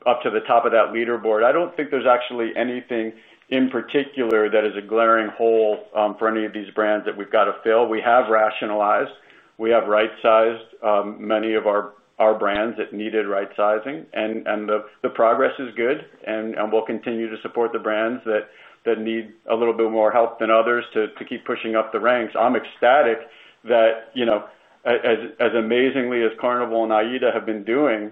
up to the top of that leaderboard, I don't think there's actually anything in particular that is a glaring hole for any of these brands that we've got to fill. We have rationalized, we have right sized many of our brands that needed right sizing and the progress is good and we'll continue to support the brands that need a little bit more help than others to keep pushing up the ranks. I'm ecstatic that, as amazingly as Carnival and AIDA have been doing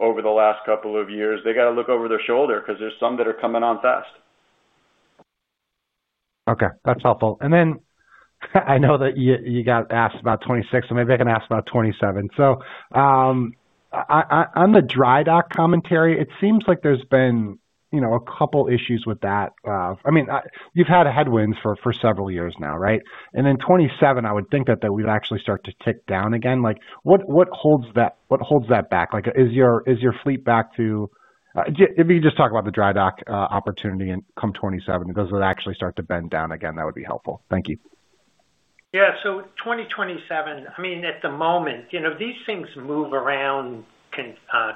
over the last couple of years, they got to look over their shoulder because there's some that are coming on fast. Okay, that's helpful. I know that you got. Asked about 2026, maybe I can ask about 2027. On the dry dock commentary, it seems like there's been a couple issues with that. I mean, you've had a headwind for several years now. Right. In 2027, I would think that we'd actually start to, like, what holds that back? Is your fleet back to, if you just talk about the dry dock opportunity and come 2027, does it actually start to bend down again? That would be helpful. Thank you. Yeah. In 2027, at the moment, you know, these things move around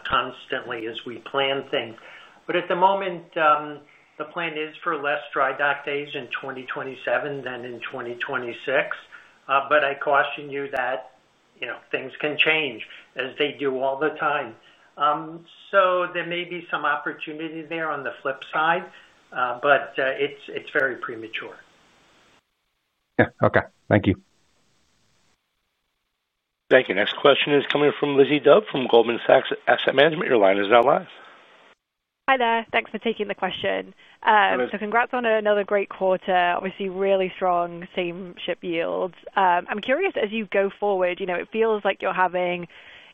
constantly as we plan things, but at the moment, the plan is for less dry dock days in 2027 than in 2026. I caution you that, you know, things can change as they do all the time. There may be some opportunity there on the flip side, but it's very premature. Yeah, okay, thank you. Thank you. Next question is coming from Elizabeth Dove from Goldman Sachs. Your line is now live. Hi there. Thanks for taking the question. Congrats on another great quarter. Obviously, really strong same-ship yields. I'm curious, as you go forward, it feels like you're having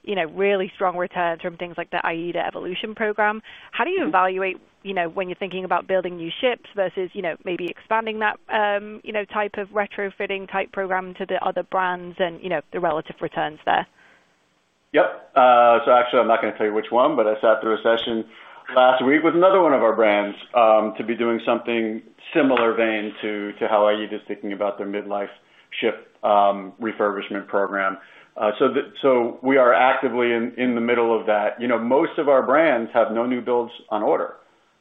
really strong returns from things like the AIDA Evolutions program. How do you evaluate when you're thinking about building new ships versus maybe expanding that type of retrofitting program to the other brands and the relative returns there? Yep. I'm not going to tell you which one, but I sat through a session last week with another one of our brands to be doing something similar vein to how AIDA is thinking about their midlife shift refurbishment program. We are actively in the middle of that. Most of our brands have no new builds on order,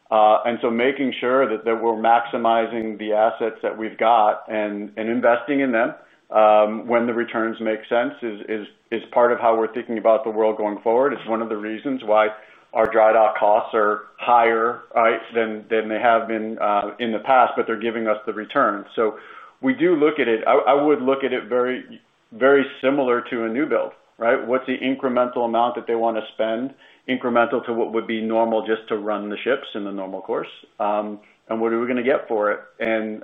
so making sure that we're maximizing the assets that we've got and investing in them when the returns make sense is part of how we're thinking about the world going forward. It's one of the reasons why our dry dock costs are higher than they have been in the past, but they're giving us the return. We do look at it. I would look at it very, very similar to a new build. Right. What's the incremental amount that they want to spend, incremental to what would be normal just to run the ships in the normal course, and what are we going to get for it? AIDA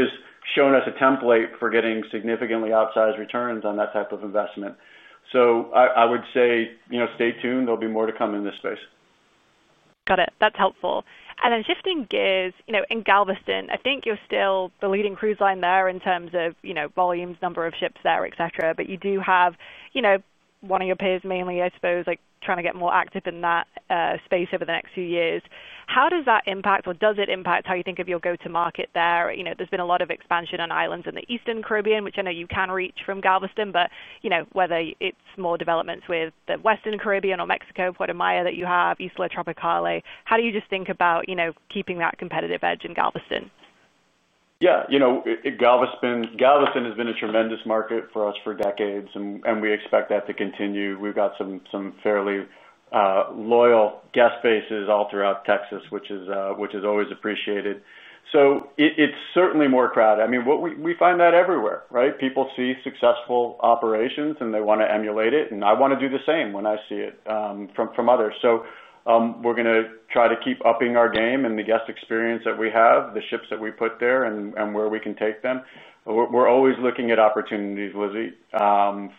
has shown us a template for getting significantly outsized returns on that type of investment. I would say, you know, stay tuned, there'll be more to come in this space. Got it. That's helpful. Shifting gears, in Galveston, I think you're still the leading cruise line there in terms of volumes, number of ships there, etc. You do have one of your peers mainly, I suppose, trying to get more active in that space over the next few years. How does that impact or does it impact how you think of your go to market there? There's been a lot of expansion on islands in the eastern Caribbean, which I know you can reach from Galveston. Whether it's more developments with the western Caribbean or Mexico, Puerto Maya that you have, Isla Tropical, how do you just think about keeping that competitive edge in Galveston? Yeah, you know, Galveston has been a tremendous market for us for decades and we expect that to continue. We've got some fairly loyal guest faces all throughout Texas, which is always appreciated. It's certainly more crowded. I mean, we find that everywhere. People see successful operations and they want to emulate, to do the same when they see it from others. We're going to try to keep upping our game and the guest experience that we have, the ships that we put there and where we can take them. We're always looking at opportunities, Lizzy,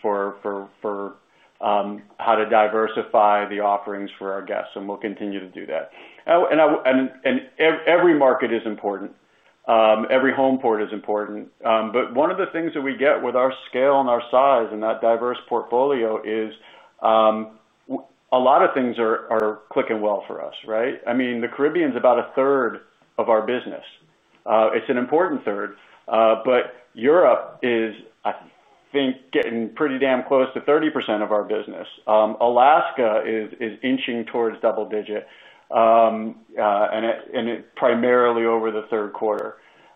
for how to diversify the offerings for our guests and we'll continue to do that. Every market is important, every home port is important. One of the things that we get with our scale and our size and that diverse portfolio is a lot of things are clicking well for us. The Caribbean is about a third of our business. It's an important third. Europe is, I think, getting pretty damn close to 30% of our business. Alaska is inching towards double digit and primarily over the third quarter.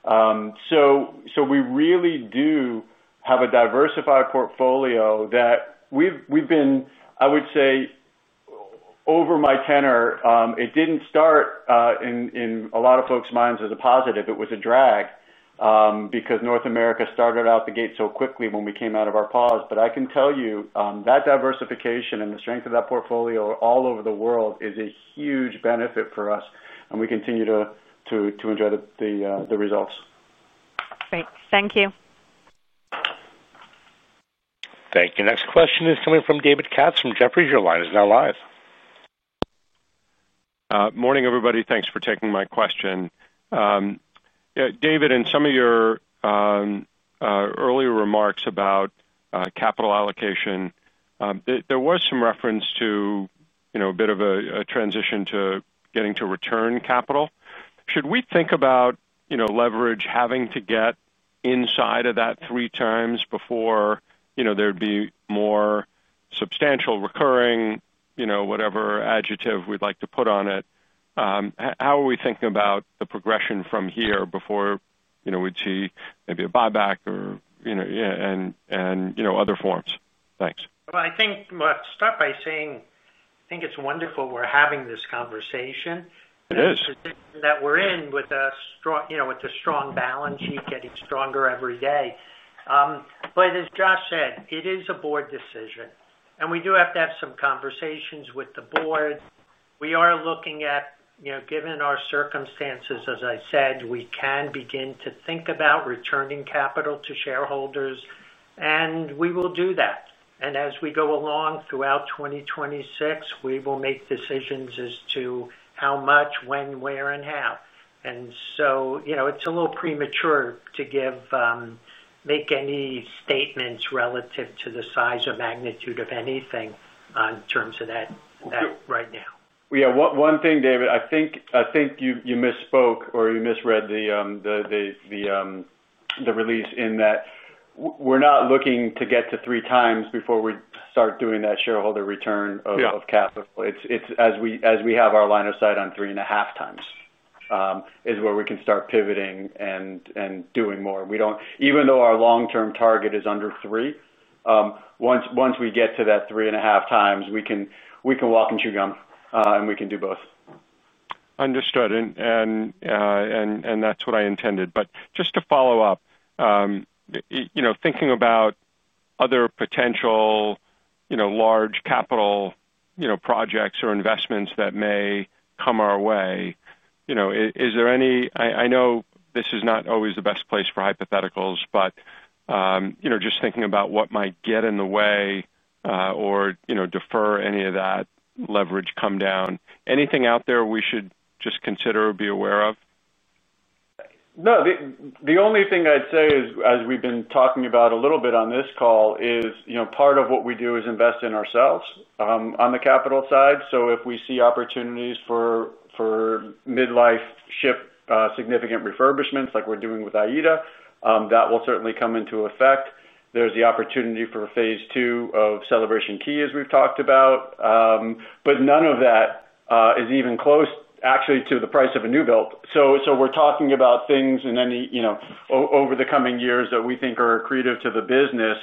We really do have a diversified portfolio that we've been, I would say over my tenure, it didn't start in a lot of folks' minds as a positive. It was a drag because North America started out the gate so quickly when we came out of our pause. I can tell you that diversification and the strength of that portfolio all over the world is a huge benefit for us and we continue to enjoy the results. Great. Thank you. Thank you. Next question is coming from David Katz from Jefferies. Your line is now live. Morning everybody. Thanks for taking my question. David, in some of your earlier remarks about capital allocation, there was some reference to, you know, a bit of a transition to getting to return capital. Should we think about leverage having to get inside of that three times before there'd be more substantial recurring, whatever adjective we'd like to put on it? How are we thinking about the progression from here before we'd see maybe a buyback and other forms? Thanks. I think it's wonderful we're having this conversation. It is that we're in with a strong, you know, with a strong balance sheet, getting stronger every day. As Josh said, it is a board decision and we do have to have some conversations with the board. We are looking at, you know, given our circumstances, as I said, we can begin to think about returning capital to shareholders and we will do that. As we go along throughout 2026, we will make decisions as to how much, when, where and how. It's a little premature to make any statements relative to the size or magnitude of anything in terms of that right now. Yeah, one thing, David, I think you misspoke or you misread the release in that we're not looking to get to three times before we start doing that shareholder return of capital. It's as we have our line of sight on three and a half times is where we can start pivoting and doing more. We don't. Even though our long term target is under three, once we get to that three and a half times, we can walk and chew gum and we can do both. Understood. That's what I intended. Just to follow up, thinking about other potential large capital projects or investments that may come our way. Is there any, I know this is not always the best place for hypotheticals, but just thinking about what might get in the way or defer any of that leverage come down, anything out there we should just consider or be aware of? No, the only thing I'd say is, as we've been talking about a little bit on this call, is part of what we do is invest in ourselves on the capital side. If we see opportunities for midlife ship, significant refurbishments like we're doing with AIDA, that will certainly come into effect. There's the opportunity for phase two of Celebration Key, as we've talked about. None of that is even close actually to the price of a new build. We're talking about things in any, you know, over the coming years that we think are accretive to the business,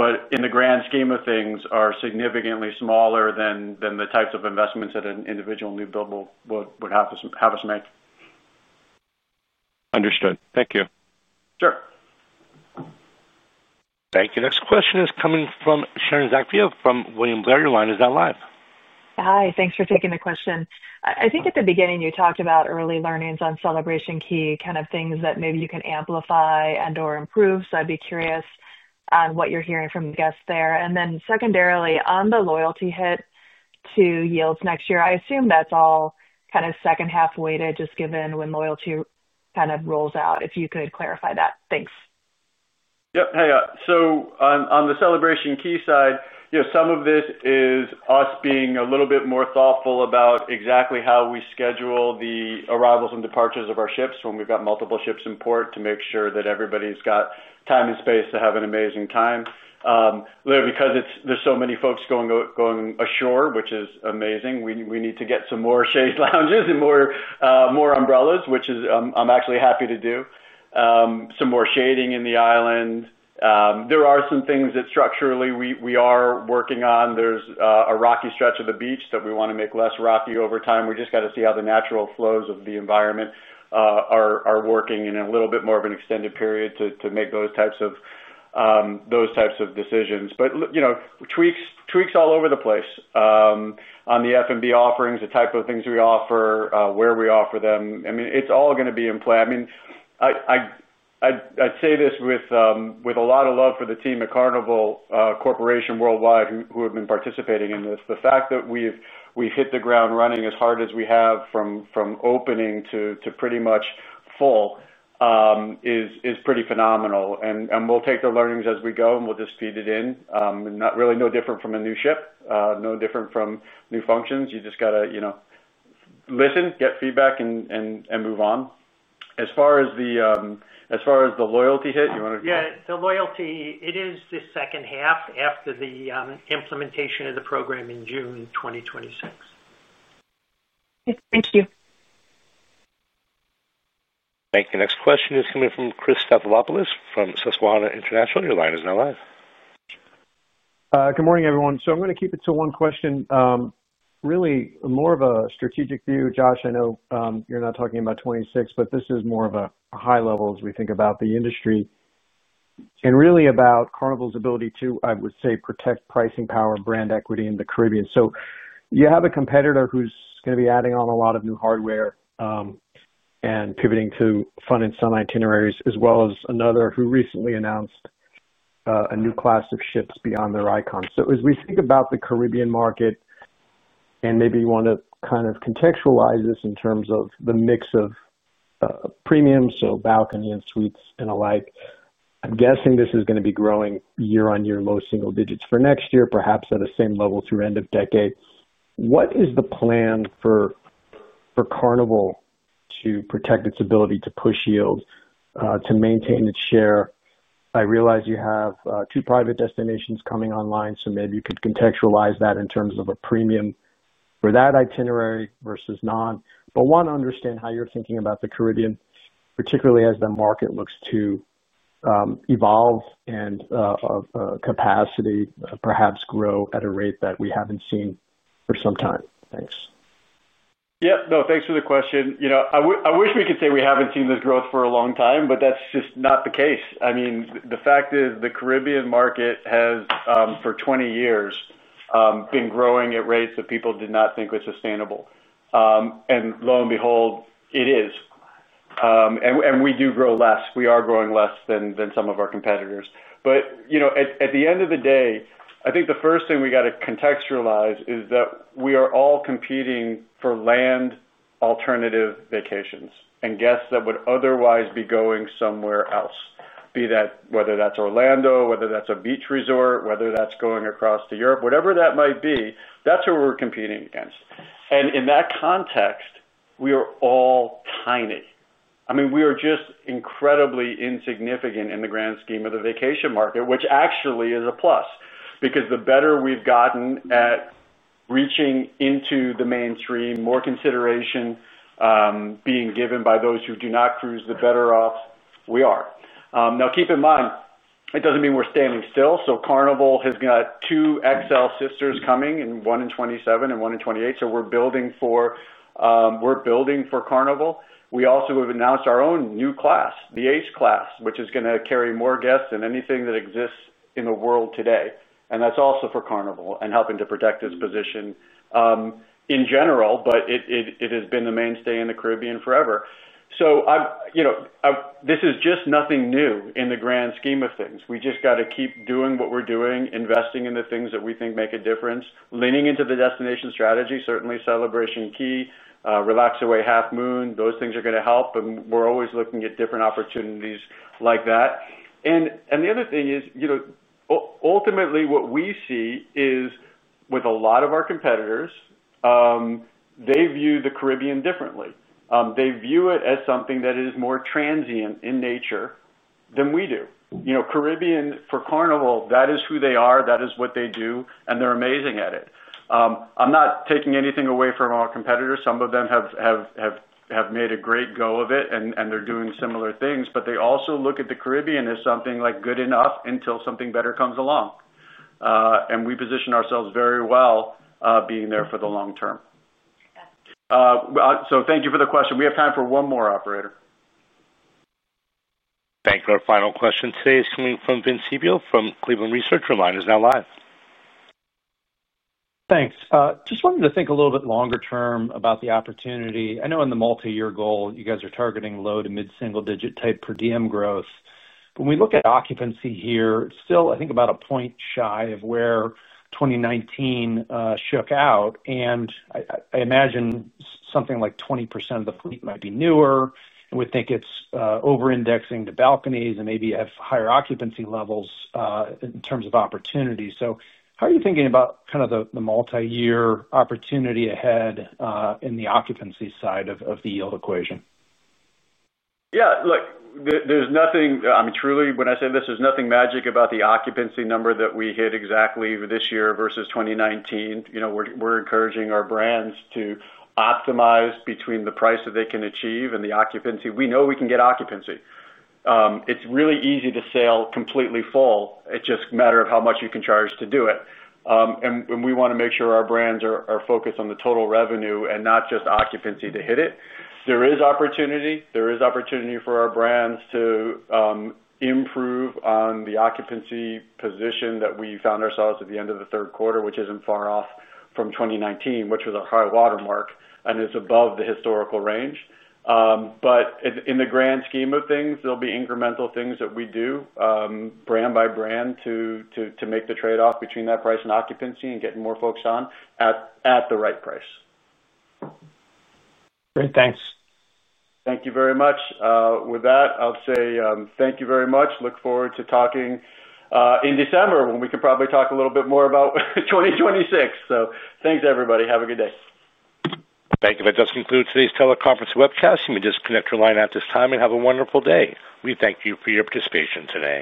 but in the grand scheme of things, are significantly smaller than the types of investments that an individual new build will have us make. Understood. Thank you. Thank you. Next question is coming from Sharon Zackfia from William Blair. Your line is now live. Hi. Thanks for taking the question. I think at the beginning you talked about early learnings on Celebration Key, kind of things that maybe you can amplify. Or improve. I’d be curious on what you’re hearing from guests there. Secondarily, on the loyalty hit to yields next year, I assume that’s all kind of second half weighted just given when loyalty kind of rolls out. If you could clarify that, thanks. Yep. Hey, so on the Celebration Key side, some of this is us being a little bit more thoughtful about exactly how we schedule the arrivals and departures of our ships when we've got multiple ships in port to make sure that everybody's got time and space to have an amazing time because there are so many folks going ashore, which is amazing. We need to get some more shade lounges and more umbrellas, which is actually happy to do some more shading in the island. There are some things that structurally we are working on. There's a rocky stretch of the beach that we want to make less rocky over time. We just got to see how the natural flows of the environment are working in a little bit more of an extended period to make those types of decisions. Tweaks all over the place on the F&B offerings, the type of things we offer, where we offer them. It's all going to be in play. I say this with a lot of love for the team at Carnival Corporation & plc Worldwide who have been participating in this. The fact that we've hit the ground running as hard as we have from opening to pretty much full is pretty phenomenal. We'll take the learnings as we go and we'll just feed it in, really. No different from a new ship, no different from new functions. You just got to listen, get feedback and move on. As far as the loyalty hit, you want to. Yeah, the loyalty, it is the second half after the implementation of the program in June 2026. Thank you. Thank you. Next question is coming from Christopher Stathoulopoulos from Susquehanna International. Your line is now live. Good morning, everyone. I'm going to keep it to one question, really more of a strategic view. Josh, I know you're not talking about 2026, but this is more of a high level as we think about the industry and really about Carnival Corporation & plc's ability to, I would say, protect pricing power and brand equity in the Caribbean. You have a competitor who's going to be adding on a lot of new hardware and pivoting to funding some itineraries, as well as another who recently announced a new class of ships beyond their icons. As we think about the Caribbean market, and maybe you want to kind of contextualize this in terms of the mix of premiums, so balcony and suites and alike, I'm guessing this is going to be growing year on year, low single digits for next year, perhaps at the same level through end of decade. What is the plan for Carnival Corporation & plc to protect its ability to push yield to maintain its share? I realize you have two private destinations coming online, so maybe you could contextualize that in terms of a premium for that itinerary versus non. I want to understand how you're thinking about the Caribbean, particularly as the market looks to evolve and capacity perhaps grow at a rate that we haven't seen for some time. Thanks. Yeah, no, thanks for the question. I wish we could say we haven't seen this growth for a long time, but that's just not the case. The fact is, the Caribbean market has for 20 years been growing at rates that people did not think was sustainable. Lo and behold, it is. We do grow less. We are growing less than some of our competitors. At the end of the day, I think the first thing we got to contextualize is that we are all competing for land, alternative vacations, and guests that would otherwise be going somewhere else. Whether that's Orlando, whether that's a beach resort, whether that's going across to Europe, whatever that might be, that's what we're competing against. In that context, we are all tiny. I mean, we are just incredibly insignificant in the grand scheme of the vacation market, which actually is a plus because the better we've gotten at reaching into the mainstream, more consideration being given by those who do not cruise, the better off we are. Now keep in mind, it doesn't mean we're standing still. Carnival has got two XL sisters coming in, one in 2027 and one in 2028. We're building for Carnival. We also have announced our own new class, the Ace Class, which is going to carry more guests than anything that exists in the world today. That's also for Carnival and helping to protect its position in general, but it has been the mainstay in the Caribbean forever. This is just nothing new in the grand scheme of things. We just got to keep doing what we're doing, investing in the things that we think make a difference, leaning into the destination strategy, certainly Celebration Key, Relax Away Half Moon. Those things are going to help. We're always looking at different opportunities like that. The other thing is, ultimately what we see is with a lot of our competitors, they view the Caribbean differently. They view it as something that is more transient in nature than we do. Caribbean for Carnival, that is who they are, that is what they do. They're amazing at it. I'm not taking anything away from our competitors. Some of them have made a great go of it and they're doing similar things, but they also look at the Caribbean as something like good enough until something better comes along. We position ourselves very well being there for the long term. Thank you for the question. We have time for one more, operator. Thank you. Our final question today is coming from Vince Cipiel from Cleveland Research. Your line is now live. Thanks. Just wanted to think a little bit. Longer term about the opportunity. I know in the multi-year goal. You guys are targeting low to mid. Single-digit type per diem growth. When we look at occupancy here still, I think about a point shy of where 2019 shook out, and I imagine something like 20% of the fleet might be newer and we think it's over. Indexing to balconies and maybe have higher. Occupancy levels in terms of opportunity. How are you thinking about the multi-year opportunity ahead in the occupancy side of the yield equation? Yeah, look, there's nothing, I mean, truly when I say this, there's nothing magic about the occupancy number that we hit exactly this year versus 2019. We're encouraging our brands to optimize between the price that they can achieve and the occupancy. We know we can get occupancy. It's really easy to sail completely full. It's just a matter of how much you can charge to do it. We want to make sure our brands are focused on the total revenue and not just occupancy to hit it. There is opportunity for our brands to improve on the occupancy position that we found ourselves at the end of the third quarter, which isn't far off from 2019, which was a high watermark and is above the historical range. In the grand scheme of things, there'll be incremental things that we do brand by brand to make the trade-off between that price and occupancy and getting more folks on at the right price. Great. Thanks. Thank you very much. With that, I'll say thank you very much. Look forward to talking in December when we could probably talk a little bit more about 2026. Thanks, everybody. Have a good day. Thank you. That does include today's teleconference webcast. You may disconnect your line at this time. Have a wonderful day. We thank you for your participation today.